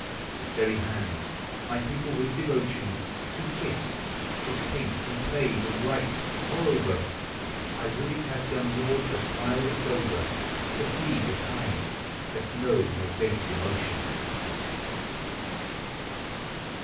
This very hand my people with devotion Do kiss, — which paints and plays and writes, moreover, — I would it had done naught but pile the clover To feed the kine that know no base emotion